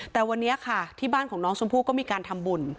แต่วันนี้ค่ะที่บ้านของน้องชมพู่ก็มีการทำบุญ